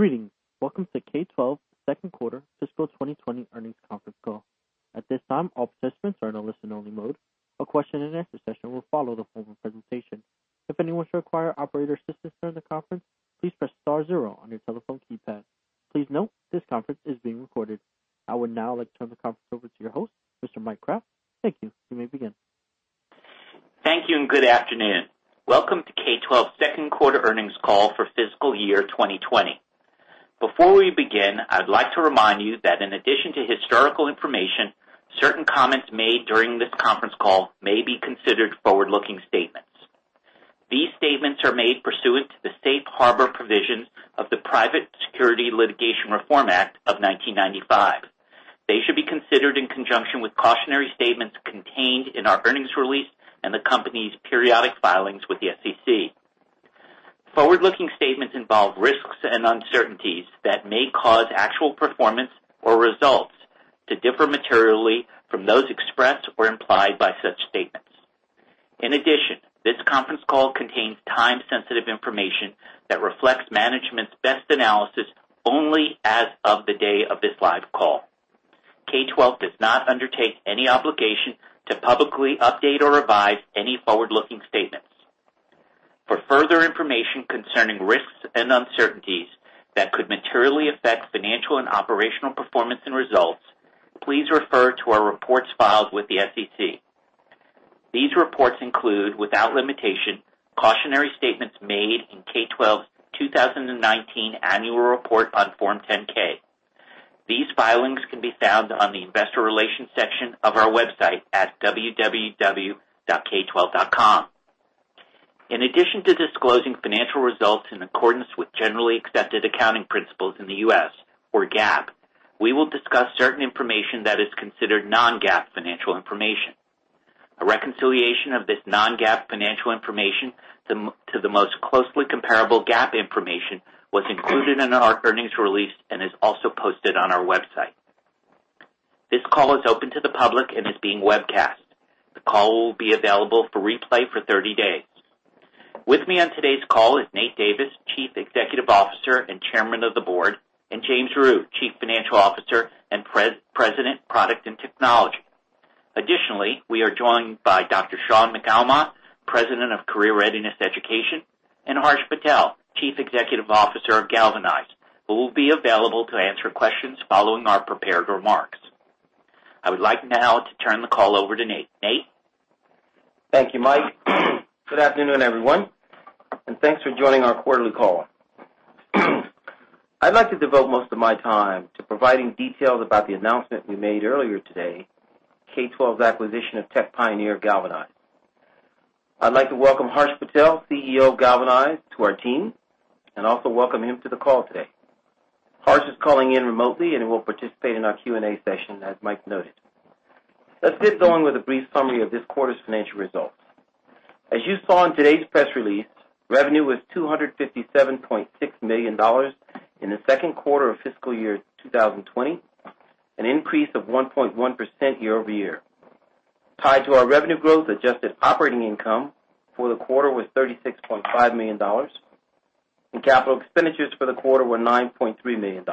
Greetings. Welcome to K12 Second Quarter Fiscal 2020 earnings conference call. At this time, all participants are in a listen-only mode. A question-and-answer session will follow the formal presentation. If anyone should require operator assistance during the conference, please press *zero on your telephone keypad. Please note, this conference is being recorded. I would now like to turn the conference over to your host, Mr. Mike Kraft. Thank you. You may begin. Thank you and good afternoon. Welcome to K12 Second Quarter Earnings Call for Fiscal Year 2020. Before we begin, I'd like to remind you that in addition to historical information, certain comments made during this conference call may be considered forward-looking statements. These statements are made pursuant to the safe harbor provisions of the Private Securities Litigation Reform Act of 1995. They should be considered in conjunction with cautionary statements contained in our earnings release and the company's periodic filings with the SEC. Forward-looking statements involve risks and uncertainties that may cause actual performance or results to differ materially from those expressed or implied by such statements. In addition, this conference call contains time-sensitive information that reflects management's best analysis only as of the day of this live call. K12 does not undertake any obligation to publicly update or revise any forward-looking statements. For further information concerning risks and uncertainties that could materially affect financial and operational performance and results, please refer to our reports filed with the SEC. These reports include, without limitation, cautionary statements made in K12's 2019 Annual Report on Form 10-K. These filings can be found on the Investor Relations section of our website at www.k12.com. In addition to disclosing financial results in accordance with Generally Accepted Accounting Principles in the U.S., or GAAP, we will discuss certain information that is considered non-GAAP financial information. A reconciliation of this non-GAAP financial information to the most closely comparable GAAP information was included in our earnings release and is also posted on our website. This call is open to the public and is being webcast. The call will be available for replay for 30 days. With me on today's call is Nate Davis, Chief Executive Officer and Chairman of the Board, and James Rhyu, Chief Financial Officer and President, Product and Technology. Additionally, we are joined by Dr. Shaun McAlmont, President of Career Readiness Education, and Harsh Patel, Chief Executive Officer of Galvanize, who will be available to answer questions following our prepared remarks. I would like now to turn the call over to Nate. Nate? Thank you, Mike. Good afternoon, everyone, and thanks for joining our quarterly call. I'd like to devote most of my time to providing details about the announcement we made earlier today, K12's acquisition of tech pioneer Galvanize. I'd like to welcome Harsh Patel, CEO of Galvanize, to our team and also welcome him to the call today. Harsh is calling in remotely and will participate in our Q&A session, as Mike noted. Let's get going with a brief summary of this quarter's financial results. As you saw in today's press release, revenue was $257.6 million in the second quarter of fiscal year 2020, an increase of 1.1% year over year. Tied to our revenue growth, adjusted operating income for the quarter was $36.5 million, and capital expenditures for the quarter were $9.3 million.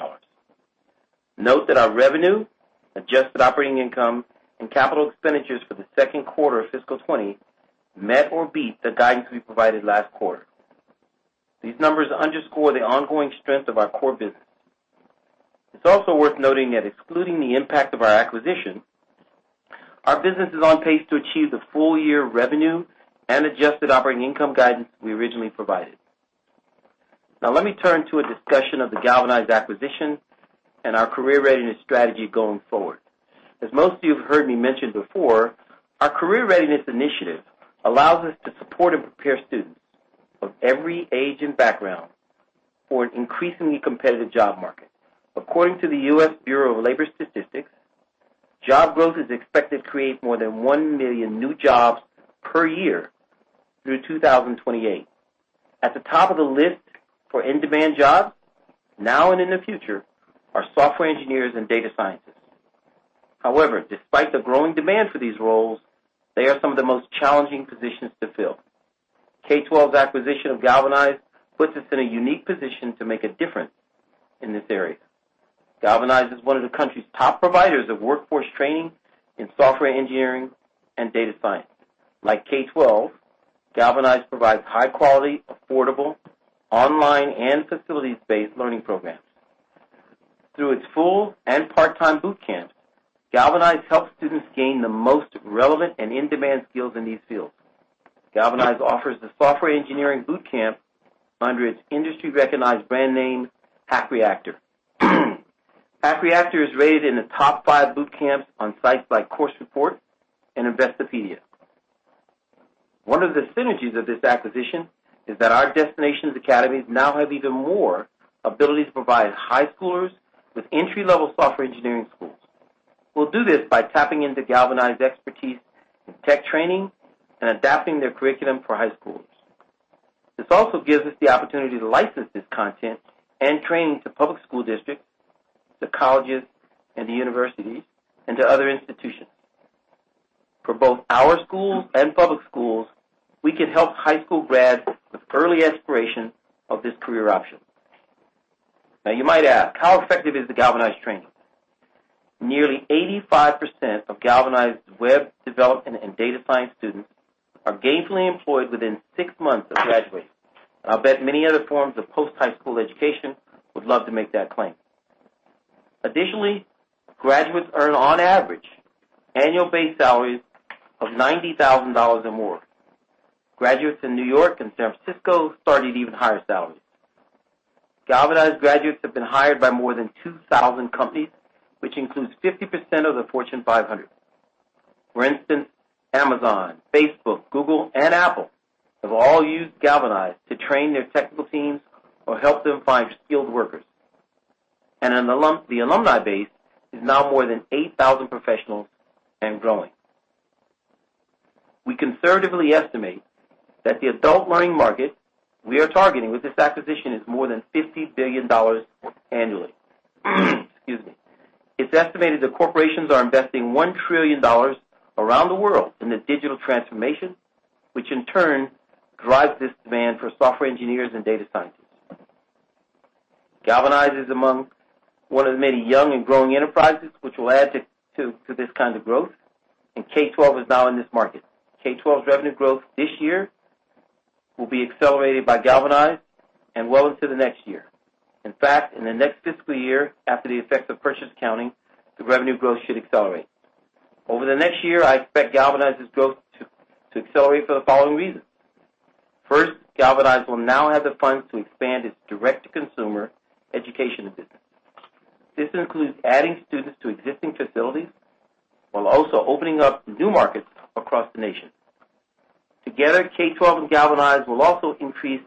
Note that our revenue, adjusted operating income, and capital expenditures for the second quarter of fiscal 2020 met or beat the guidance we provided last quarter. These numbers underscore the ongoing strength of our core business. It's also worth noting that excluding the impact of our acquisition, our business is on pace to achieve the full-year revenue and adjusted operating income guidance we originally provided. Now, let me turn to a discussion of the Galvanize acquisition and our career readiness strategy going forward. As most of you have heard me mention before, our career readiness initiative allows us to support and prepare students of every age and background for an increasingly competitive job market. According to the U.S. Bureau of Labor Statistics, job growth is expected to create more than 1 million new jobs per year through 2028. At the top of the list for in-demand jobs, now and in the future, are software engineers and data scientists. However, despite the growing demand for these roles, they are some of the most challenging positions to fill. K12's acquisition of Galvanize puts us in a unique position to make a difference in this area. Galvanize is one of the country's top providers of workforce training in software engineering and data science. Like K12, Galvanize provides high-quality, affordable, online, and facilities-based learning programs. Through its full and part-time boot camp, Galvanize helps students gain the most relevant and in-demand skills in these fields. Galvanize offers the software engineering boot camp under its industry-recognized brand name, Hack Reactor. Hack Reactor is rated in the top five boot camps on sites like Course Report and Investopedia. One of the synergies of this acquisition is that our Destination Career Academies now have even more ability to provide high schoolers with entry-level software engineering schools. We'll do this by tapping into Galvanize's expertise in tech training and adapting their curriculum for high schoolers. This also gives us the opportunity to license this content and training to public school districts, to colleges, and to universities, and to other institutions. For both our schools and public schools, we can help high school grads with early aspirations of this career option. Now, you might ask, how effective is the Galvanize training? Nearly 85% of Galvanize's web development and data science students are gainfully employed within six months of graduating. I bet many other forms of post-high school education would love to make that claim. Additionally, graduates earn, on average, annual base salaries of $90,000 or more. Graduates in New York and San Francisco start at even higher salaries. Galvanize graduates have been hired by more than 2,000 companies, which includes 50% of the Fortune 500. For instance, Amazon, Facebook, Google, and Apple have all used Galvanize to train their technical teams or help them find skilled workers, and the alumni base is now more than 8,000 professionals and growing. We conservatively estimate that the adult learning market we are targeting with this acquisition is more than $50 billion annually. Excuse me. It's estimated that corporations are investing $1 trillion around the world in the digital transformation, which in turn drives this demand for software engineers and data scientists. Galvanize is among one of the many young and growing enterprises which will add to this kind of growth, and K12 is now in this market. K12's revenue growth this year will be accelerated by Galvanize and well into the next year. In fact, in the next fiscal year, after the effects of purchase accounting, the revenue growth should accelerate. Over the next year, I expect Galvanize's growth to accelerate for the following reasons. First, Galvanize will now have the funds to expand its direct-to-consumer education business. This includes adding students to existing facilities while also opening up new markets across the nation. Together, K12 and Galvanize will also increase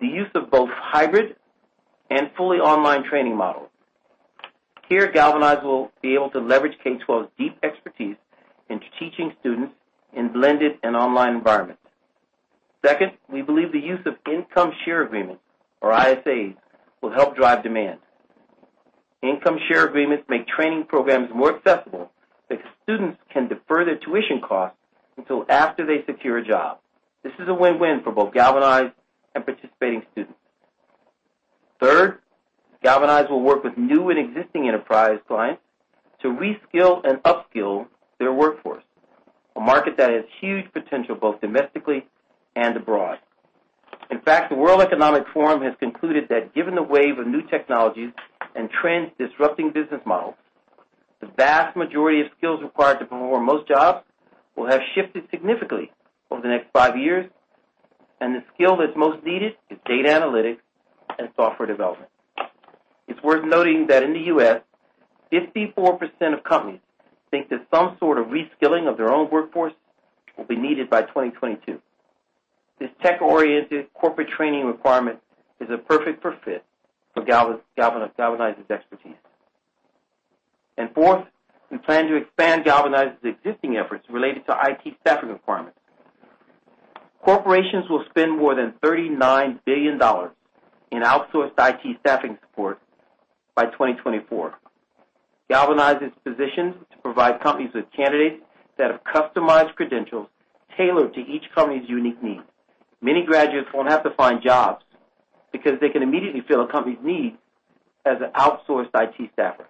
the use of both hybrid and fully online training models. Here, Galvanize will be able to leverage K12's deep expertise into teaching students in blended and online environments. Second, we believe the use of income share agreements, or ISAs, will help drive demand. Income share agreements make training programs more accessible because students can defer their tuition costs until after they secure a job. This is a win-win for both Galvanize and participating students. Third, Galvanize will work with new and existing enterprise clients to reskill and upskill their workforce, a market that has huge potential both domestically and abroad. In fact, the World Economic Forum has concluded that given the wave of new technologies and trends disrupting business models, the vast majority of skills required to perform most jobs will have shifted significantly over the next five years, and the skill that's most needed is data analytics and software development. It's worth noting that in the U.S., 54% of companies think that some sort of reskilling of their own workforce will be needed by 2022. This tech-oriented corporate training requirement is a perfect fit for Galvanize's expertise. And fourth, we plan to expand Galvanize's existing efforts related to IT staffing requirements. Corporations will spend more than $39 billion in outsourced IT staffing support by 2024. Galvanize is positioned to provide companies with candidates that have customized credentials tailored to each company's unique needs. Many graduates won't have to find jobs because they can immediately fill a company's needs as an outsourced IT staffer.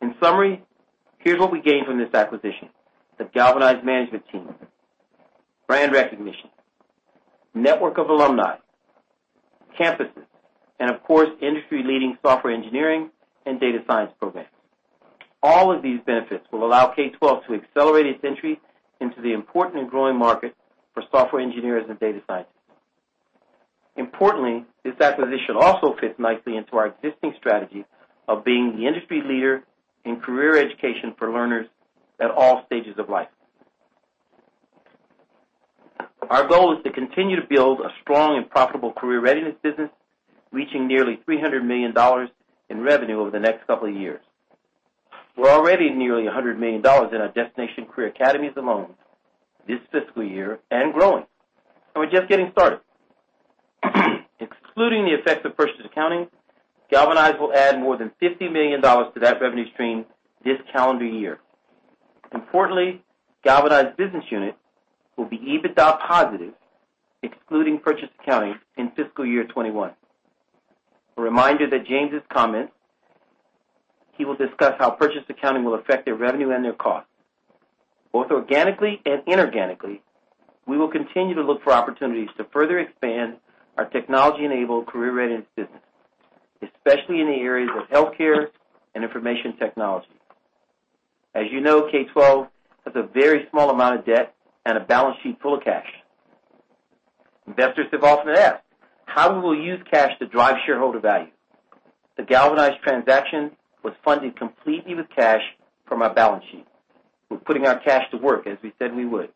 In summary, here's what we gained from this acquisition: the Galvanize management team, brand recognition, network of alumni, campuses, and, of course, industry-leading software engineering and data science programs. All of these benefits will allow K12 to accelerate its entry into the important and growing market for software engineers and data scientists. Importantly, this acquisition also fits nicely into our existing strategy of being the industry leader in career education for learners at all stages of life. Our goal is to continue to build a strong and profitable career readiness business, reaching nearly $300 million in revenue over the next couple of years. We're already nearly $100 million in our Destination Career Academies alone this fiscal year and growing, and we're just getting started. Excluding the effects of purchase accounting, Galvanize will add more than $50 million to that revenue stream this calendar year. Importantly, Galvanize's business unit will be EBITDA positive, excluding purchase accounting in fiscal year 2021. A reminder that James's comments, he will discuss how purchase accounting will affect their revenue and their costs. Both organically and inorganically, we will continue to look for opportunities to further expand our technology-enabled career readiness business, especially in the areas of healthcare and information technology. As you know, K12 has a very small amount of debt and a balance sheet full of cash. Investors have often asked how we will use cash to drive shareholder value. The Galvanize transaction was funded completely with cash from our balance sheet, with putting our cash to work as we said we would.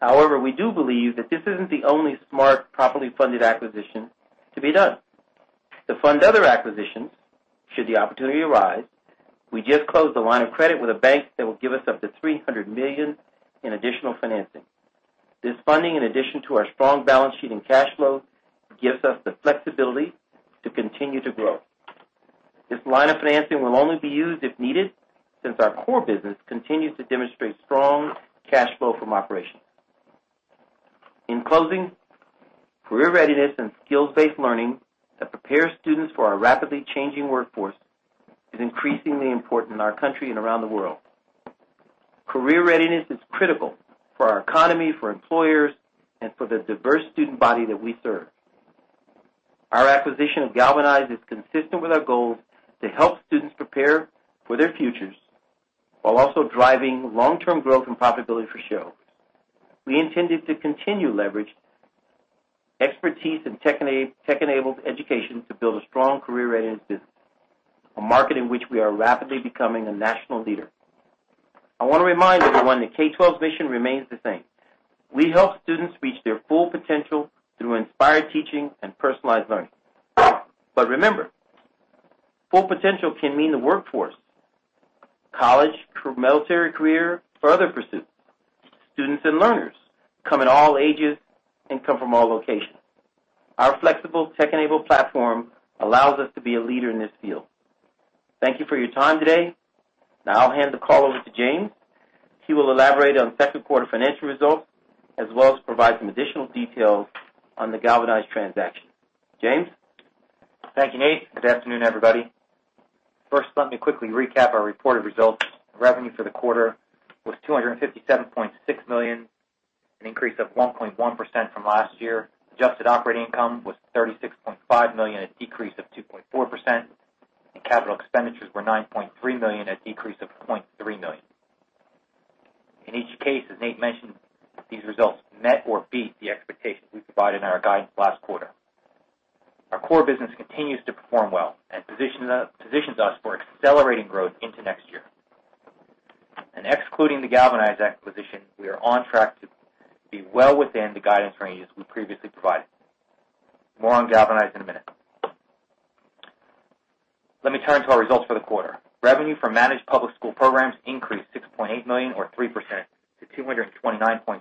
However, we do believe that this isn't the only smart, properly funded acquisition to be done. To fund other acquisitions, should the opportunity arise, we just closed a line of credit with a bank that will give us up to $300 million in additional financing. This funding, in addition to our strong balance sheet and cash flow, gives us the flexibility to continue to grow. This line of financing will only be used if needed since our core business continues to demonstrate strong cash flow from operations. In closing, career readiness and skills-based learning that prepare students for a rapidly changing workforce is increasingly important in our country and around the world. Career readiness is critical for our economy, for employers, and for the diverse student body that we serve. Our acquisition of Galvanize is consistent with our goals to help students prepare for their futures while also driving long-term growth and profitability for shareholders. We intended to continue to leverage expertise and tech-enabled education to build a strong career readiness business, a market in which we are rapidly becoming a national leader. I want to remind everyone that K12's mission remains the same. We help students reach their full potential through inspired teaching and personalized learning. But remember, full potential can mean the workforce, college, military career, or other pursuits. Students and learners come in all ages and come from all locations. Our flexible tech-enabled platform allows us to be a leader in this field. Thank you for your time today. Now, I'll hand the call over to James. He will elaborate on second quarter financial results as well as provide some additional details on the Galvanize transaction. James. Thank you, Nate. Good afternoon, everybody. First, let me quickly recap our reported results. Revenue for the quarter was $257.6 million, an increase of 1.1% from last year. Adjusted operating income was $36.5 million, a decrease of 2.4%, and capital expenditures were $9.3 million, a decrease of $0.3 million. In each case, as Nate mentioned, these results met or beat the expectations we provided in our guidance last quarter. Our core business continues to perform well and positions us for accelerating growth into next year and excluding the Galvanize acquisition, we are on track to be well within the guidance ranges we previously provided. More on Galvanize in a minute. Let me turn to our results for the quarter. Revenue from managed public school programs increased $6.8 million, or 3%, to $229.6 million.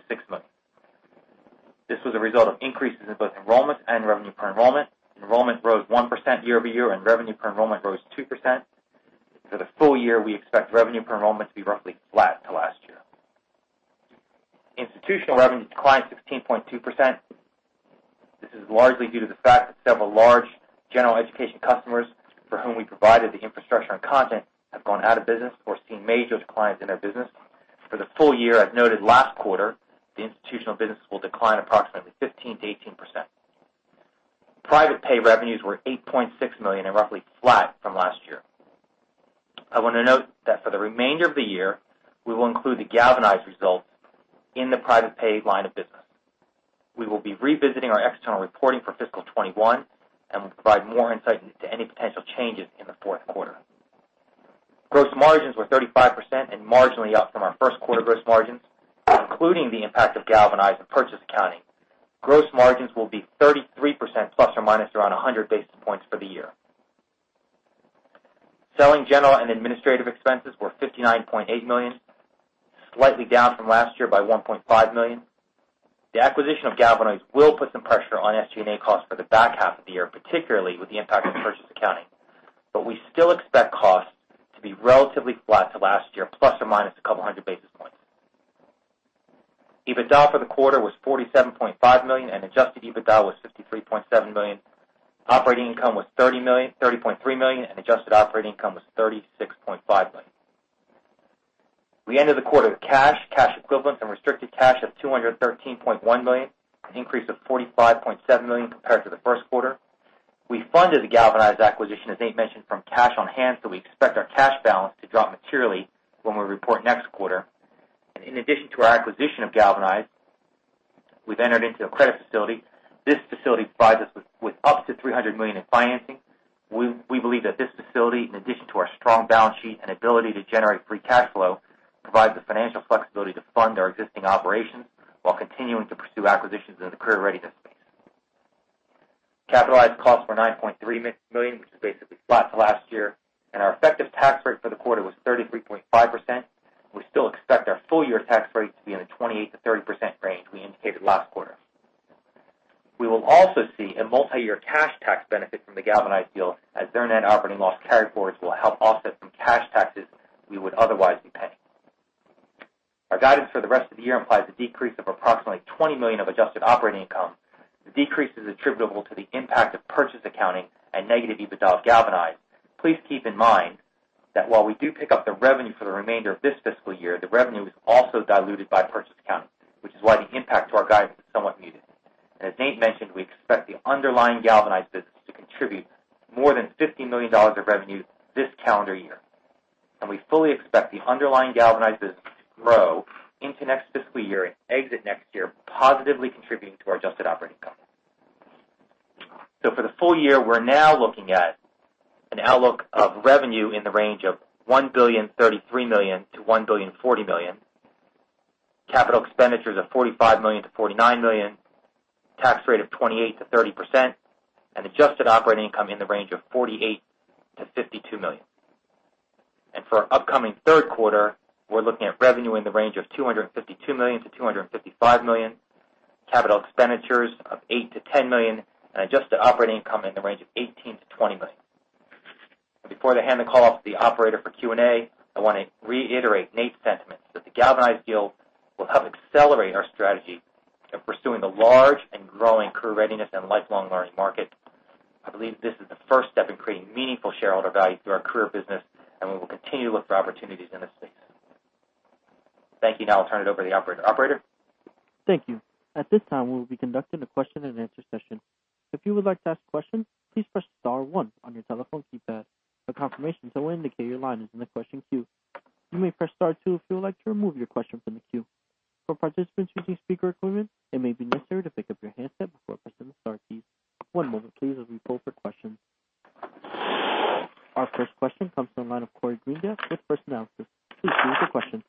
This was a result of increases in both enrollment and revenue per enrollment. Enrollment rose 1% year over year, and revenue per enrollment rose 2%. For the full year, we expect revenue per enrollment to be roughly flat to last year. Institutional revenue declined 16.2%. This is largely due to the fact that several large general education customers for whom we provided the infrastructure and content have gone out of business or seen major declines in their business. For the full year, as noted last quarter, the institutional business will decline approximately 15%-18%. Private pay revenues were $8.6 million and roughly flat from last year. I want to note that for the remainder of the year, we will include the Galvanize results in the private pay line of business. We will be revisiting our external reporting for fiscal 2021 and will provide more insight into any potential changes in the fourth quarter. Gross margins were 35% and marginally up from our first quarter gross margins. Including the impact of Galvanize and purchase accounting, gross margins will be 33% plus or minus around 100 basis points for the year. Selling general and administrative expenses were $59.8 million, slightly down from last year by $1.5 million. The acquisition of Galvanize will put some pressure on SG&A costs for the back half of the year, particularly with the impact of purchase accounting, but we still expect costs to be relatively flat to last year, plus or minus a couple hundred basis points. EBITDA for the quarter was $47.5 million, and adjusted EBITDA was $53.7 million. Operating income was $30.3 million, and adjusted operating income was $36.5 million. We ended the quarter with cash, cash equivalents, and restricted cash of $213.1 million, an increase of $45.7 million compared to the first quarter. We funded the Galvanize acquisition, as Nate mentioned, from cash on hand, so we expect our cash balance to drop materially when we report next quarter. In addition to our acquisition of Galvanize, we've entered into a credit facility. This facility provides us with up to $300 million in financing. We believe that this facility, in addition to our strong balance sheet and ability to generate free cash flow, provides the financial flexibility to fund our existing operations while continuing to pursue acquisitions in the career readiness space. Capitalized costs were $9.3 million, which is basically flat to last year, and our effective tax rate for the quarter was 33.5%. We still expect our full-year tax rate to be in the 28%-30% range we indicated last quarter. We will also see a multi-year cash tax benefit from the Galvanize deal as their net operating loss carryforwards will help offset some cash taxes we would otherwise be paying. Our guidance for the rest of the year implies a decrease of approximately $20 million of adjusted operating income. The decrease is attributable to the impact of purchase accounting and negative EBITDA of Galvanize. Please keep in mind that while we do pick up the revenue for the remainder of this fiscal year, the revenue is also diluted by purchase accounting, which is why the impact to our guidance is somewhat muted. As Nate mentioned, we expect the underlying Galvanize business to contribute more than $50 million of revenue this calendar year, and we fully expect the underlying Galvanize business to grow into next fiscal year and exit next year, positively contributing to our adjusted operating income. So for the full year, we're now looking at an outlook of revenue in the range of $1.33 billion-$1.40 billion, capital expenditures of $45 million-$49 million, tax rate of 28%-30%, and adjusted operating income in the range of $48 million-$52 million. And for our upcoming third quarter, we're looking at revenue in the range of $252 million-$255 million, capital expenditures of $8 million-$10 million, and adjusted operating income in the range of $18 million-$20 million. Before I hand the call off to the operator for Q&A, I want to reiterate Nate's sentiments that the Galvanize deal will help accelerate our strategy in pursuing the large and growing career readiness and lifelong learning market. I believe this is the first step in creating meaningful shareholder value through our career business, and we will continue to look for opportunities in this space. Thank you. Now, I'll turn it over to the operator. Operator. Thank you. At this time, we will be conducting a question-and-answer session. If you would like to ask a question, please press *1 on your telephone keypad. For confirmation, someone indicated your line is in the question queue. You may press *2 if you would like to remove your question from the queue. For participants using speaker equipment, it may be necessary to pick up your handset before pressing the *keys. One moment, please, as we pull up our questions. Our first question comes from the line of Corey Greendale with First Analysis. Please begin your question.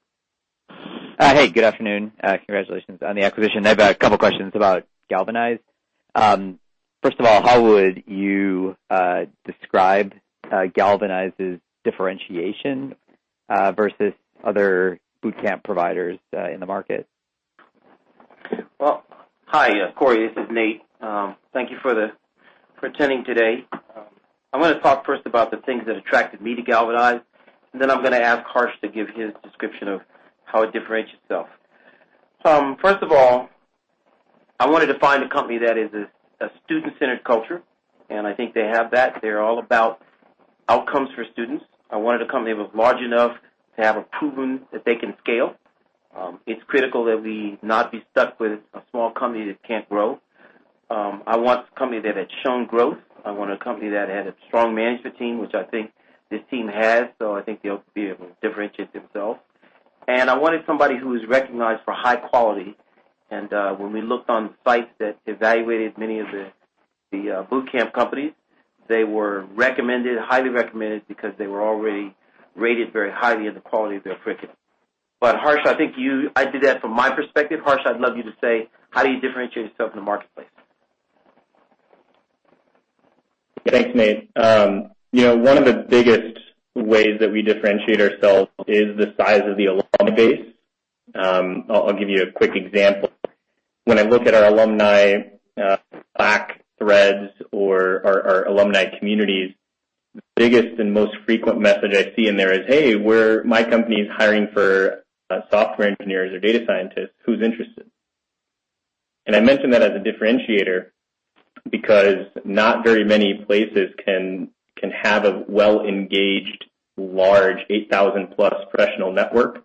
Hey. Good afternoon. Congratulations on the acquisition. I have a couple of questions about Galvanize. First of all, how would you describe Galvanize's differentiation versus other boot camp providers in the market? Well, hi, Corey. This is Nate. Thank you for attending today. I'm going to talk first about the things that attracted me to Galvanize, and then I'm going to ask Harsh to give his description of how it differentiates itself. First of all, I wanted to find a company that is a student-centered culture, and I think they have that. They're all about outcomes for students. I wanted a company that was large enough to have a proven that they can scale. It's critical that we not be stuck with a small company that can't grow. I want a company that had shown growth. I want a company that had a strong management team, which I think this team has, so I think they'll be able to differentiate themselves. And I wanted somebody who is recognized for high quality. And when we looked on sites that evaluated many of the boot camp companies, they were highly recommended because they were already rated very highly in the quality of their curriculum. But Harsh, I think you—I did that from my perspective. Harsh, I'd love you to say, how do you differentiate yourself in the marketplace? Thanks, Nate. One of the biggest ways that we differentiate ourselves is the size of the alumni base. I'll give you a quick example. When I look at our alumni Slack threads or our alumni communities, the biggest and most frequent message I see in there is, "Hey, my company is hiring for software engineers or data scientists. Who's interested?" And I mention that as a differentiator because not very many places can have a well-engaged, large 8,000-plus professional network,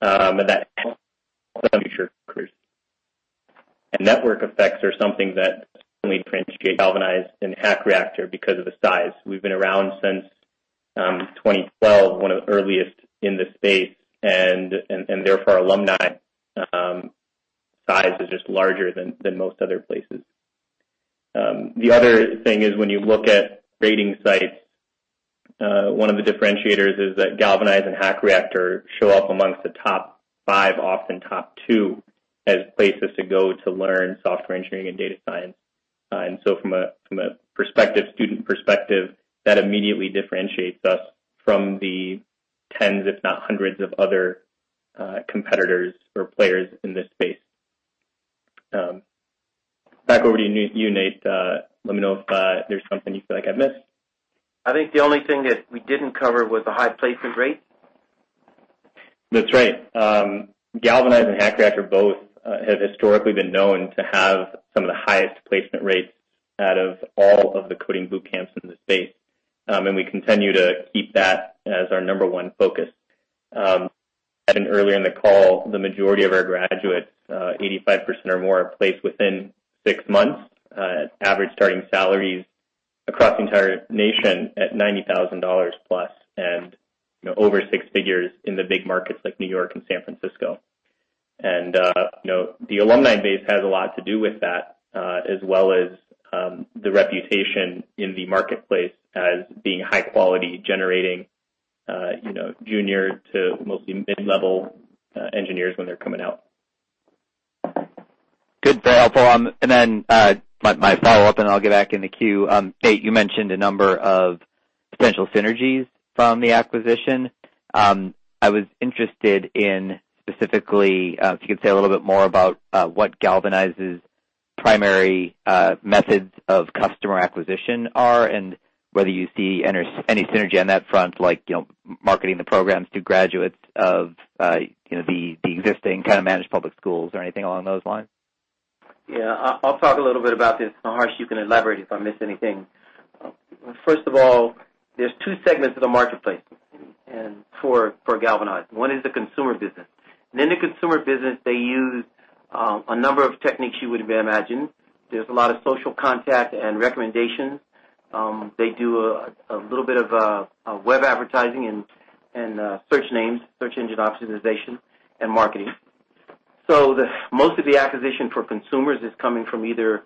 and that helps them reach their careers. And network effects are something that certainly differentiate Galvanize and Hack Reactor because of the size. We've been around since 2012, one of the earliest in the space, and therefore our alumni size is just larger than most other places. The other thing is when you look at rating sites, one of the differentiators is that Galvanize and Hack Reactor show up amongst the top five, often top two, as places to go to learn software engineering and data science. And so from a student perspective, that immediately differentiates us from the tens, if not hundreds, of other competitors or players in this space. Back over to you, Nate. Let me know if there's something you feel like I missed. I think the only thing that we didn't cover was the high placement rate. That's right. Galvanize and Hack Reactor both have historically been known to have some of the highest placement rates out of all of the coding boot camps in the space, and we continue to keep that as our number one focus. I mentioned earlier in the call. The majority of our graduates, 85% or more, are placed within six months. Average starting salaries across the entire nation at $90,000 plus and over six figures in the big markets like New York and San Francisco. And the alumni base has a lot to do with that, as well as the reputation in the marketplace as being high quality, generating junior to mostly mid-level engineers when they're coming out. Good. Very helpful. And then my follow-up, and I'll get back in the queue. Nate, you mentioned a number of potential synergies from the acquisition. I was interested in specifically if you could say a little bit more about what Galvanize's primary methods of customer acquisition are and whether you see any synergy on that front, like marketing the programs to graduates of the existing kind of managed public schools or anything along those lines. Yeah. I'll talk a little bit about this, and Harsh, you can elaborate if I missed anything. First of all, there's two segments of the marketplace for Galvanize. One is the consumer business. In the consumer business, they use a number of techniques you would imagine. There's a lot of social contact and recommendations. They do a little bit of web advertising and SEM, search engine optimization, and marketing. So most of the acquisition for consumers is coming from either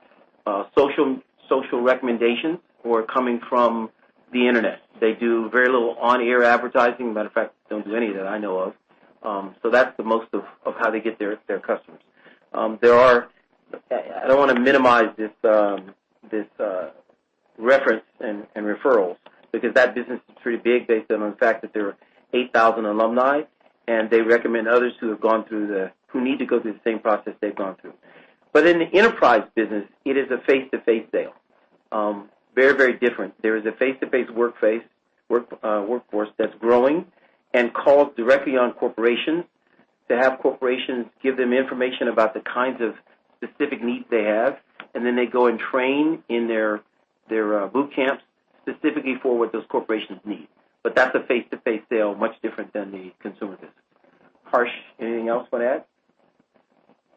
social recommendations or coming from the internet. They do very little on-air advertising. As a matter of fact, they don't do any of that I know of. So that's most of how they get their customers. I don't want to minimize these referrals because that business is pretty big based on the fact that there are 8,000 alumni, and they recommend others who have gone through, who need to go through the same process they've gone through. But in the enterprise business, it is a face-to-face sale. Very, very different. There is a face-to-face workforce that's growing and calls directly on corporations to have corporations give them information about the kinds of specific needs they have, and then they go and train in their boot camps specifically for what those corporations need. But that's a face-to-face sale, much different than the consumer business. Harsh, anything else you want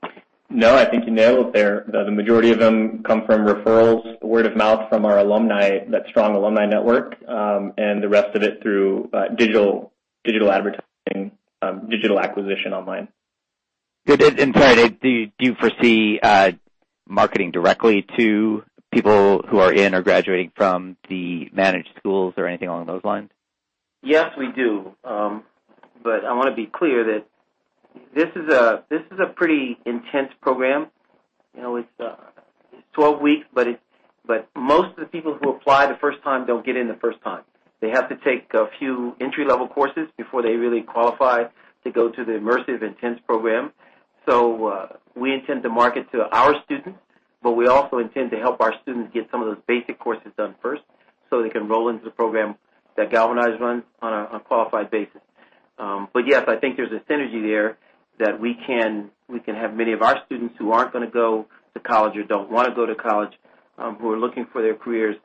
to add? No. I think you nailed it there. The majority of them come from referrals, word of mouth from our alumni, that strong alumni network, and the rest of it through digital advertising, digital acquisition online. Good. And sorry, do you foresee marketing directly to people who are in or graduating from the managed schools or anything along those lines? Yes, we do. But I want to be clear that this is a pretty intense program. It's 12 weeks, but most of the people who apply the first time don't get in the first time. They have to take a few entry-level courses before they really qualify to go to the immersive, intense program. So we intend to market to our students, but we also intend to help our students get some of those basic courses done first so they can roll into the program that Galvanize runs on a qualified basis. But yes, I think there's a synergy there that we can have many of our students who aren't going to go to college or don't want to go to college, who are looking for their careers.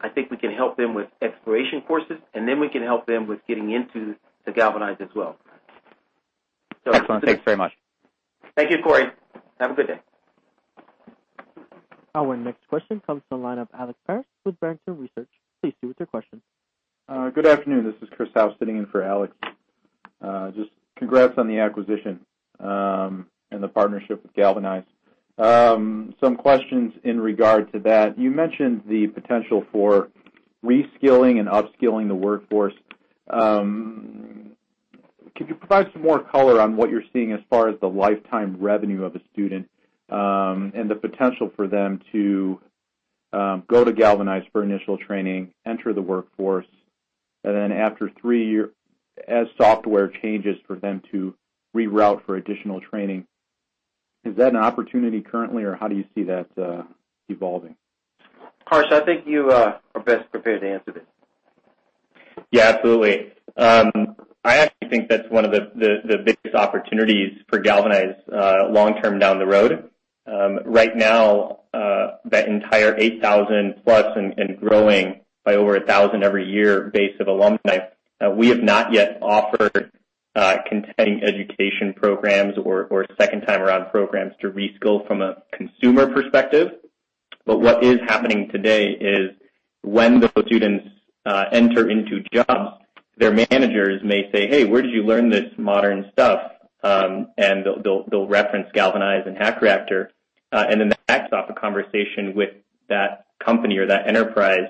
I think we can help them with exploration courses, and then we can help them with getting into the Galvanize as well. Excellent. Thanks very much. Thank you, Corey. Have a good day. Our next question comes from the line of Alex Paris with Barrington Research. Please go ahead with your question. Good afternoon. This is Chris Howell sitting in for Alex. Just congrats on the acquisition and the partnership with Galvanize. Some questions in regard to that. You mentioned the potential for reskilling and upskilling the workforce. Could you provide some more color on what you're seeing as far as the lifetime revenue of a student and the potential for them to go to Galvanize for initial training, enter the workforce, and then after three years, as software changes for them to reroute for additional training? Is that an opportunity currently, or how do you see that evolving? Harsh, I think you are best prepared to answer this. Yeah, absolutely. I actually think that's one of the biggest opportunities for Galvanize long-term down the road. Right now, that entire 8,000-plus and growing by over 1,000 every year base of alumni, we have not yet offered continuing education programs or second-time-around programs to reskill from a consumer perspective. But what is happening today is when those students enter into jobs, their managers may say, "Hey, where did you learn this modern stuff?" And they'll reference Galvanize and Hack Reactor, and then that backs off a conversation with that company or that enterprise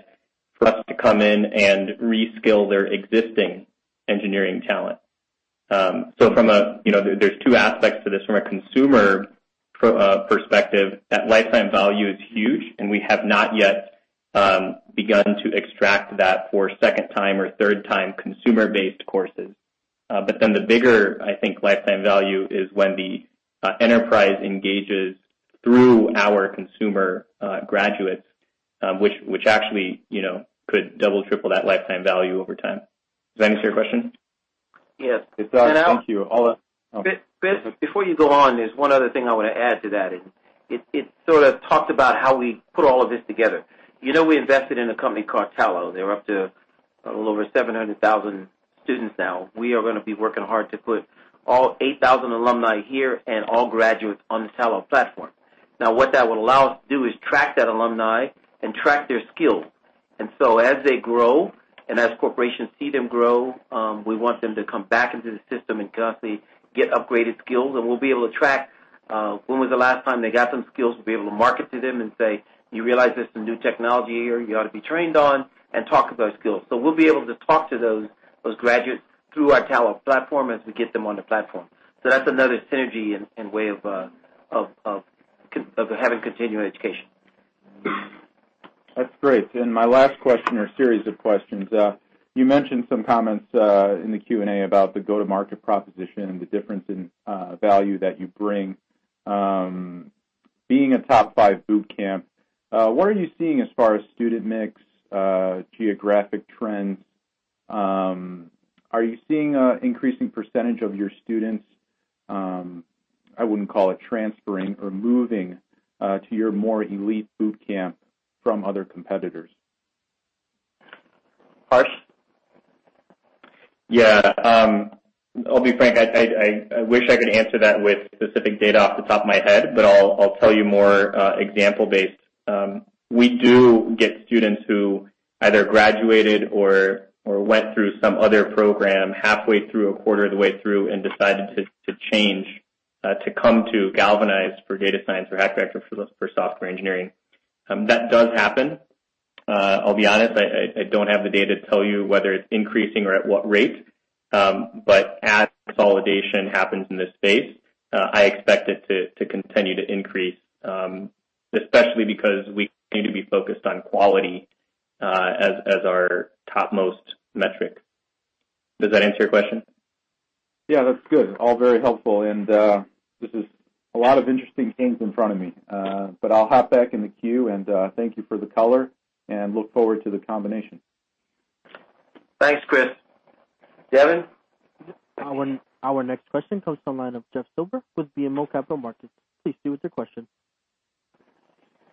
for us to come in and reskill their existing engineering talent. So there's two aspects to this. From a consumer perspective, that lifetime value is huge, and we have not yet begun to extract that for second-time or third-time consumer-based courses. But then the bigger, I think, lifetime value is when the enterprise engages through our consumer graduates, which actually could double, triple that lifetime value over time. Does that answer your question? Yes. It does. Thank you. Before you go on, there's one other thing I want to add to that. It sort of talks about how we put all of this together. We invested in a company called Tallo. They're up to a little over 700,000 students now. We are going to be working hard to put all 8,000 alumni here and all graduates on the Tallo platform. Now, what that will allow us to do is track that alumni and track their skills. And so as they grow and as corporations see them grow, we want them to come back into the system and constantly get upgraded skills. And we'll be able to track when was the last time they got some skills. We'll be able to market to them and say, "You realize there's some new technology here you ought to be trained on and talk about skills," so we'll be able to talk to those graduates through our Tallo platform as we get them on the platform, so that's another synergy and way of having continuing education. That's great, and my last question or series of questions. You mentioned some comments in the Q&A about the go-to-market proposition and the difference in value that you bring. Being a top five boot camp, what are you seeing as far as student mix, geographic trends? Are you seeing an increasing percentage of your students? I wouldn't call it transferring or moving to your more elite boot camp from other competitors. Harsh? Yeah. I'll be frank. I wish I could answer that with specific data off the top of my head, but I'll tell you more example-based. We do get students who either graduated or went through some other program halfway through, a quarter of the way through, and decided to change to come to Galvanize for data science or Hack Reactor for software engineering. That does happen. I'll be honest. I don't have the data to tell you whether it's increasing or at what rate, but as consolidation happens in this space, I expect it to continue to increase, especially because we need to be focused on quality as our topmost metric. Does that answer your question? Yeah. That's good. All very helpful. And this is a lot of interesting things in front of me, but I'll hop back in the queue, and thank you for the color, and look forward to the combination. Thanks, Chris. Devin? Our next question comes from the line of Jeff Silber with BMO Capital Markets. Please go ahead with your question.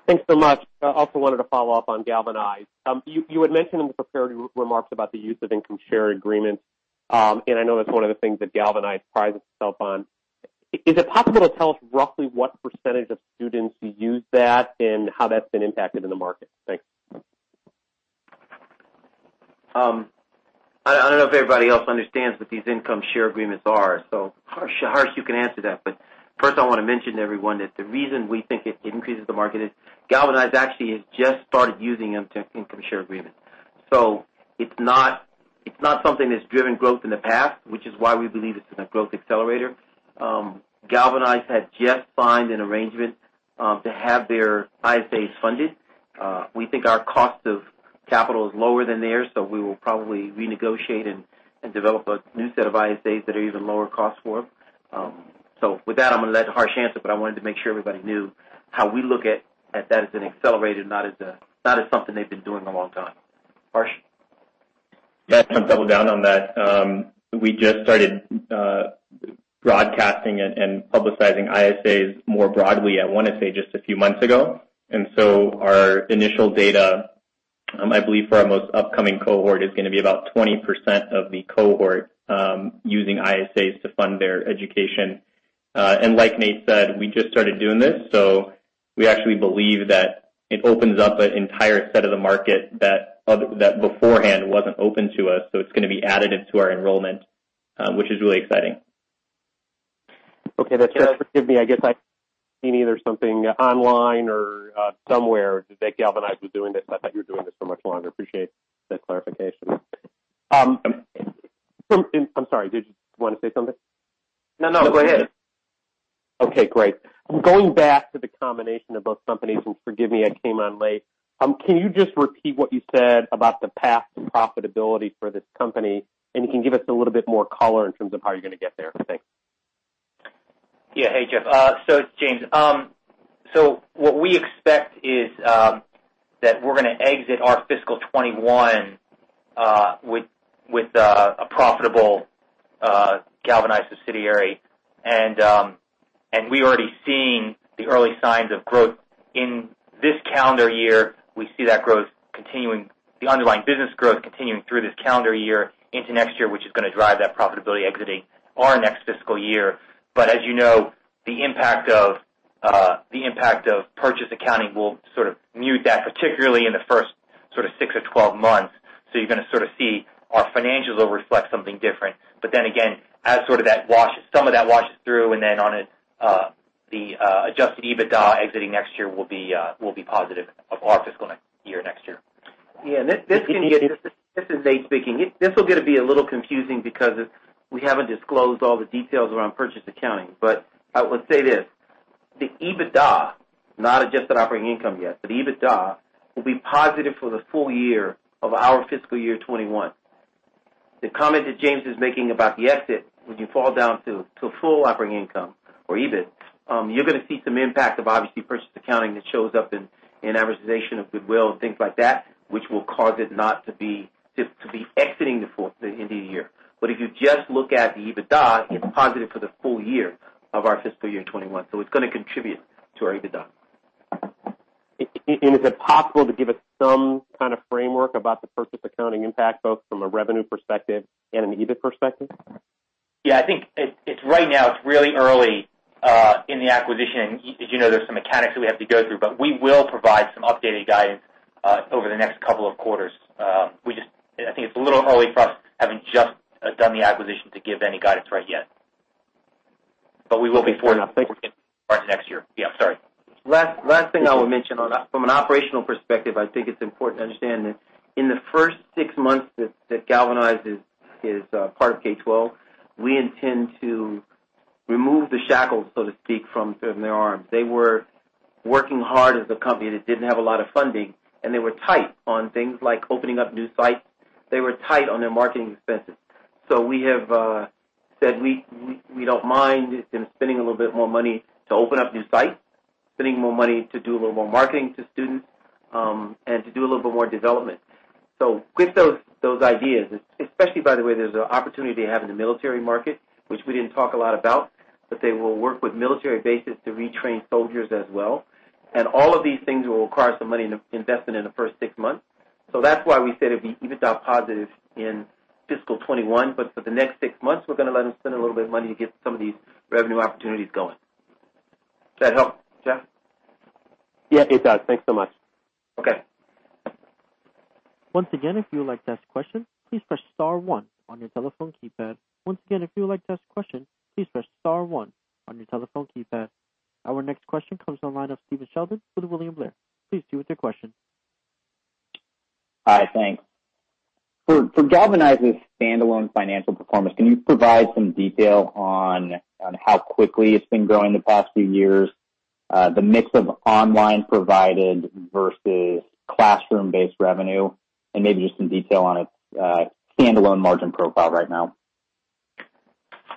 Thanks so much. I also wanted to follow up on Galvanize. You had mentioned in the prepared remarks about the use of income share agreements, and I know that's one of the things that Galvanize prides itself on. Is it possible to tell us roughly what percentage of students use that and how that's been impacted in the market? Thanks. I don't know if everybody else understands what these income share agreements are. So Harsh, you can answer that. But first, I want to mention to everyone that the reason we think it increases the market is Galvanize actually has just started using income share agreements. So it's not something that's driven growth in the past, which is why we believe it's a growth accelerator. Galvanize had just signed an arrangement to have their ISAs funded. We think our cost of capital is lower than theirs, so we will probably renegotiate and develop a new set of ISAs that are even lower cost for them, so with that, I'm going to let Harsh answer, but I wanted to make sure everybody knew how we look at that as an accelerator, not as something they've been doing a long time. Harsh? Yeah. I'll double down on that. We just started broadcasting and publicizing ISAs more broadly, I want to say just a few months ago, and so our initial data, I believe for our most upcoming cohort, is going to be about 20% of the cohort using ISAs to fund their education, and like Nate said, we just started doing this. So we actually believe that it opens up an entire set of the market that beforehand wasn't open to us. So it's going to be added into our enrollment, which is really exciting. Okay. That's good. Forgive me. I guess I didn't hear something online or somewhere that Galvanize was doing this. I thought you were doing this for much longer. Appreciate the clarification. I'm sorry. Did you want to say something? No, no. Go ahead. Okay. Great. Going back to the combination of both companies, and forgive me, I came on late, can you just repeat what you said about the path to profitability for this company? And you can give us a little bit more color in terms of how you're going to get there. Thanks. Yeah. Hey, Jeff. So it's James. So what we expect is that we're going to exit our fiscal 2021 with a profitable Galvanize subsidiary. And we're already seeing the early signs of growth. In this calendar year, we see that growth continuing, the underlying business growth continuing through this calendar year into next year, which is going to drive that profitability exiting our next fiscal year. But as you know, the impact of purchase accounting will sort of mute that, particularly in the first sort of six or 12 months. So you're going to sort of see our financials will reflect something different. But then again, as sort of that washes, some of that washes through, and then on the Adjusted EBITDA exiting next year will be positive of our fiscal year next year. Yeah. This is Nate speaking. This will get to be a little confusing because we haven't disclosed all the details around purchase accounting. But I will say this: the EBITDA, not adjusted operating income yet, but the EBITDA will be positive for the full year of our fiscal year 2021. The comment that James is making about the exit, when you fall down to full operating income or EBIT, you're going to see some impact of obviously purchase accounting that shows up in amortization of goodwill and things like that, which will cause it not to be exiting into the end of the year. But if you just look at the EBITDA, it's positive for the full year of our fiscal year 2021. So it's going to contribute to our EBITDA. And is it possible to give us some kind of framework about the purchase accounting impact both from a revenue perspective and an EBIT perspective? Yeah. I think right now, it's really early in the acquisition. And as you know, there's some mechanics that we have to go through, but we will provide some updated guidance over the next couple of quarters. I think it's a little early for us having just done the acquisition to give any guidance right yet. But we will be forwarding to next year. Yeah. Sorry. Last thing I would mention on that, from an operational perspective, I think it's important to understand that in the first six months that Galvanize is part of K12, we intend to remove the shackles, so to speak, from their arms. They were working hard as a company that didn't have a lot of funding, and they were tight on things like opening up new sites. They were tight on their marketing expenses. So we have said we don't mind them spending a little bit more money to open up new sites, spending more money to do a little more marketing to students, and to do a little bit more development. So with those ideas, especially by the way, there's an opportunity they have in the military market, which we didn't talk a lot about, but they will work with military bases to retrain soldiers as well, and all of these things will require some money invested in the first six months. So that's why we said it'd be EBITDA positive in fiscal 2021, but for the next six months, we're going to let them spend a little bit of money to get some of these revenue opportunities going. Does that help, Jeff? Yeah, it does. Thanks so much. Okay. Once again, if you would like to ask a question, please press *one on your telephone keypad. Once again, if you would like to ask a question, please press *one on your telephone keypad. Our next question comes from the line of Stephen Sheldon with William Blair. Please proceed with your question. Hi. Thanks. For Galvanize's standalone financial performance, can you provide some detail on how quickly it's been growing the past few years, the mix of online provided versus classroom-based revenue, and maybe just some detail on its standalone margin profile right now?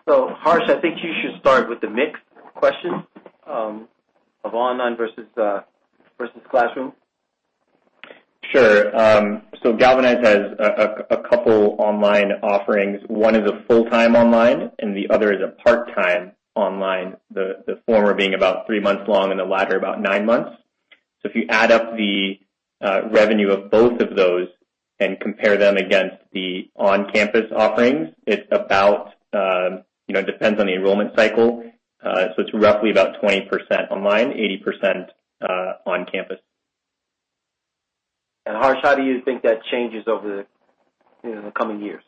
So Harsh, I think you should start with the mix question of online versus classroom. Sure. So Galvanize has a couple of online offerings. One is a full-time online, and the other is a part-time online, the former being about three months long and the latter about nine months. So if you add up the revenue of both of those and compare them against the on-campus offerings, it's about. It depends on the enrollment cycle. So it's roughly about 20% online, 80% on-campus. And Harsh, how do you think that changes over the coming years?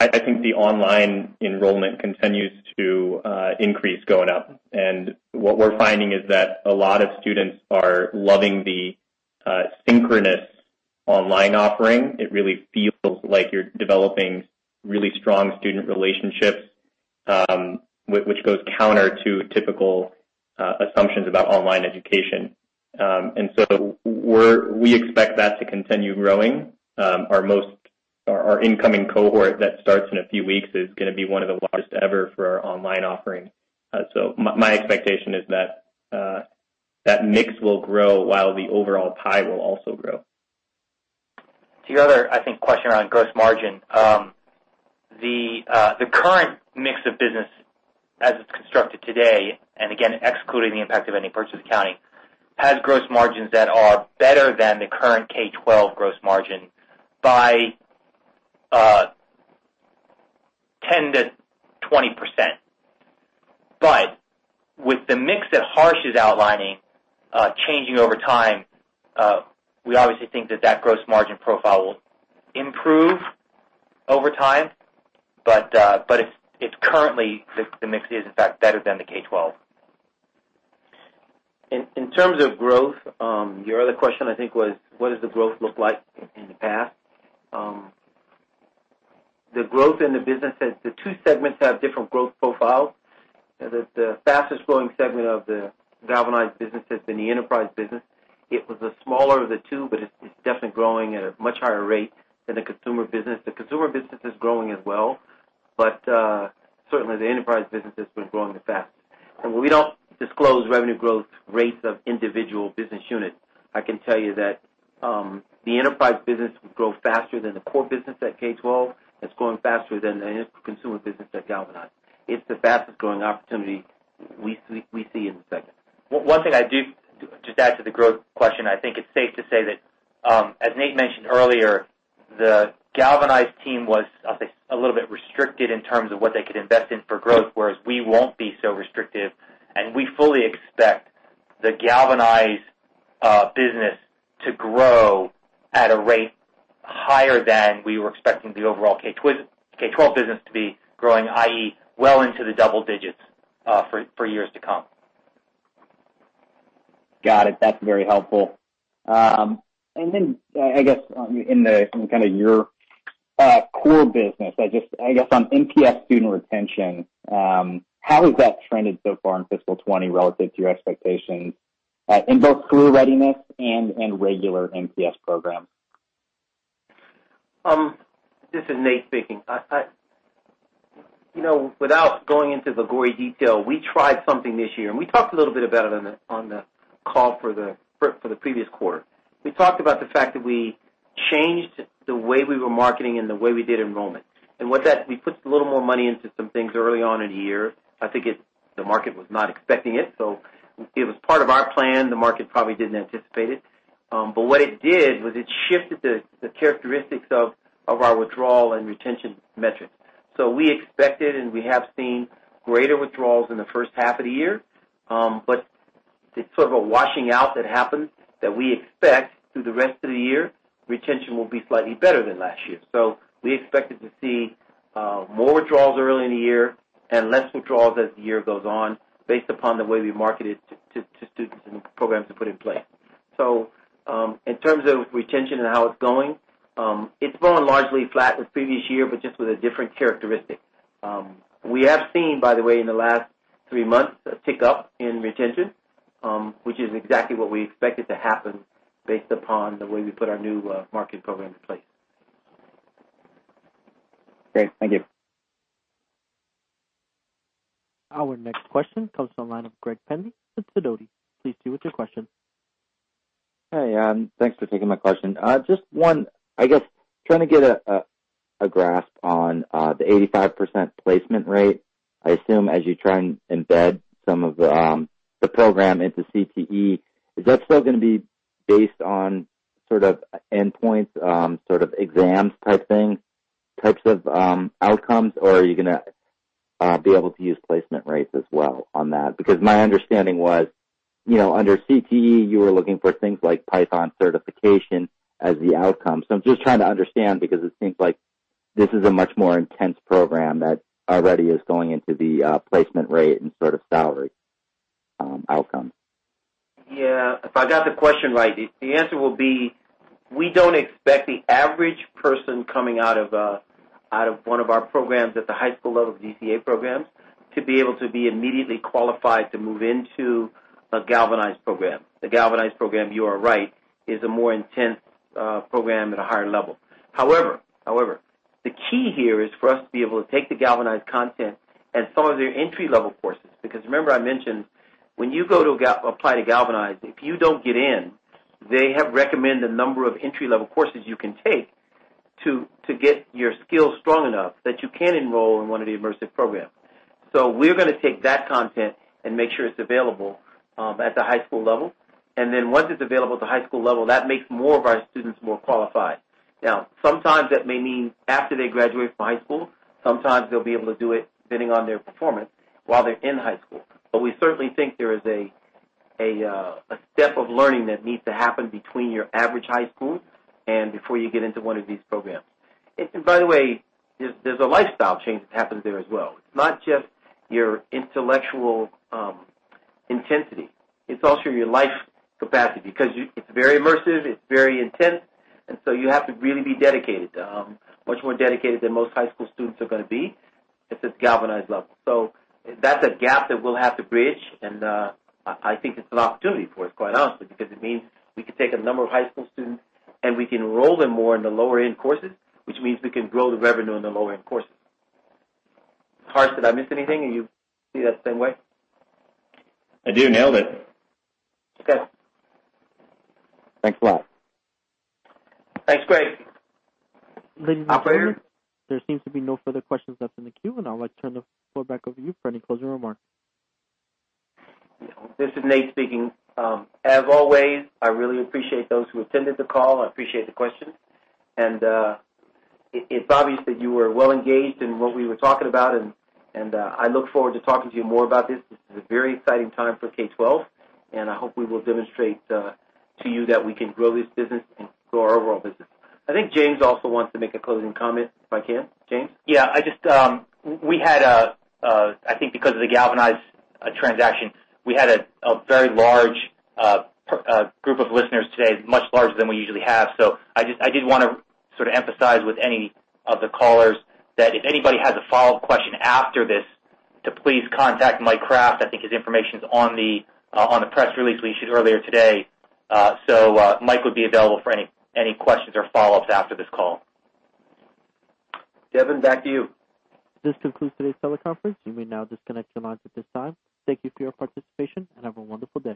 I think the online enrollment continues to increase going up. And what we're finding is that a lot of students are loving the synchronous online offering. It really feels like you're developing really strong student relationships, which goes counter to typical assumptions about online education. And so we expect that to continue growing. Our incoming cohort that starts in a few weeks is going to be one of the largest ever for our online offering, so my expectation is that that mix will grow while the overall pie will also grow. To your other, I think, question around gross margin, the current mix of business as it's constructed today, and again, excluding the impact of any purchase accounting, has gross margins that are better than the current K12 gross margin by 10%-20%. But with the mix that Harsh is outlining changing over time, we obviously think that that gross margin profile will improve over time, but currently, the mix is, in fact, better than the K12. In terms of growth, your other question, I think, was what does the growth look like in the past? The growth in the business, the two segments have different growth profiles. The fastest growing segment of the Galvanize business has been the enterprise business. It was the smaller of the two, but it's definitely growing at a much higher rate than the consumer business. The consumer business is growing as well, but certainly, the enterprise business has been growing the fastest, and we don't disclose revenue growth rates of individual business units. I can tell you that the enterprise business will grow faster than the core business at K12. It's going faster than the consumer business at Galvanize. It's the fastest growing opportunity we see in the segment. One thing I do just add to the growth question, I think it's safe to say that, as Nate mentioned earlier, the Galvanize team was, I'll say, a little bit restricted in terms of what they could invest in for growth, whereas we won't be so restrictive. We fully expect the Galvanize business to grow at a rate higher than we were expecting the overall K12 business to be growing, i.e., well into the double digits for years to come. Got it. That's very helpful. And then I guess in kind of your core business, I guess on MPS student retention, how has that trended so far in fiscal 2020 relative to your expectations in both career readiness and in regular MPS programs? This is Nate speaking. Without going into the gory detail, we tried something this year, and we talked a little bit about it on the call for the previous quarter. We talked about the fact that we changed the way we were marketing and the way we did enrollment. And we put a little more money into some things early on in the year. I think the market was not expecting it. So it was part of our plan. The market probably didn't anticipate it. But what it did was it shifted the characteristics of our withdrawal and retention metrics. So we expected and we have seen greater withdrawals in the first half of the year, but it's sort of a washing out that happened that we expect through the rest of the year. Retention will be slightly better than last year. So we expected to see more withdrawals early in the year and less withdrawals as the year goes on based upon the way we market it to students and programs to put in place. So in terms of retention and how it's going, it's gone largely flat with previous year, but just with a different characteristic. We have seen, by the way, in the last three months, a tick up in retention, which is exactly what we expected to happen based upon the way we put our new marketing program in place. Great. Thank you. Our next question comes from the line of Greg Pendy with Sidoti. Please go ahead with your question. Hey, thanks for taking my question. Just one, I guess, trying to get a grasp on the 85% placement rate. I assume as you try and embed some of the program into CTE, is that still going to be based on sort of endpoints, sort of exams type thing, types of outcomes, or are you going to be able to use placement rates as well on that? Because my understanding was under CTE, you were looking for things like Python certification as the outcome. So I'm just trying to understand because it seems like this is a much more intense program that already is going into the placement rate and sort of salary outcomes. Yeah. If I got the question right, the answer will be we don't expect the average person coming out of one of our programs at the high school level of DCA programs to be able to be immediately qualified to move into a Galvanize program. The Galvanize program, you are right, is a more intense program at a higher level. However, the key here is for us to be able to take the Galvanize content and some of their entry-level courses. Because remember I mentioned when you go to apply to Galvanize, if you don't get in, they have recommended a number of entry-level courses you can take to get your skills strong enough that you can enroll in one of the immersive programs. So we're going to take that content and make sure it's available at the high school level. And then once it's available at the high school level, that makes more of our students more qualified. Now, sometimes that may mean after they graduate from high school, sometimes they'll be able to do it depending on their performance while they're in high school. But we certainly think there is a step of learning that needs to happen between your average high school and before you get into one of these programs. And by the way, there's a lifestyle change that happens there as well. It's not just your intellectual intensity. It's also your life capacity because it's very immersive. It's very intense. And so you have to really be dedicated, much more dedicated than most high school students are going to be at this Galvanize level. So that's a gap that we'll have to bridge, and I think it's an opportunity for us, quite honestly, because it means we can take a number of high school students and we can enroll them more in the lower-end courses, which means we can grow the revenue in the lower-end courses. Harsh, did I miss anything? Do you see that the same way? I do. Nailed it. Okay. Thanks a lot. Thanks, Greg. Ladies and gentlemen, there seems to be no further questions left in the queue, and I'll turn the floor back over to you for any closing remarks. This is Nate speaking. As always, I really appreciate those who attended the call. I appreciate the questions. And it's obvious that you were well engaged in what we were talking about, and I look forward to talking to you more about this. This is a very exciting time for K12, and I hope we will demonstrate to you that we can grow this business and grow our overall business. I think James also wants to make a closing comment, if I can. James? Yeah. We had, I think because of the Galvanize transaction, we had a very large group of listeners today, much larger than we usually have. So I did want to sort of emphasize with any of the callers that if anybody has a follow-up question after this, to please contact Mike Kraft. I think his information is on the press release we issued earlier today. So Mike would be available for any questions or follow-ups after this call. Devin, back to you. This concludes today's teleconference. You may now disconnect your lines at this time. Thank you for your participation, and have a wonderful day.